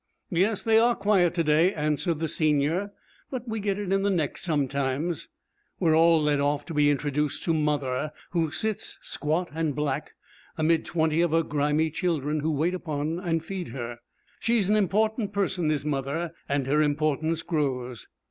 'Yes, they are quiet to day,' answered the senior. 'But we get it in the neck sometimes.' We are all led off to be introduced to 'Mother,' who sits, squat and black, amid twenty of her grimy children who wait upon and feed her. She is an important person is 'Mother,' and her importance grows.